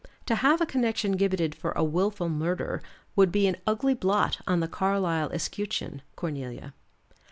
To have a connection gibbeted for a willful murder would be an ugly blot on the Carlyle escutcheon, Cornelia."